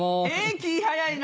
気早いな。